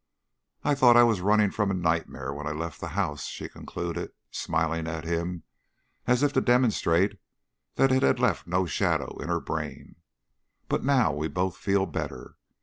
"I thought I was running from a nightmare when I left the house," she concluded, smiling at him as if to demonstrate that it had left no shadow in her brain; "but now we both feel better.